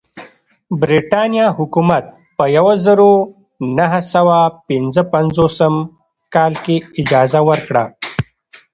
برېټانیا حکومت په یوه زرو نهه سوه پنځه پنځوسم کال کې اجازه ورکړه.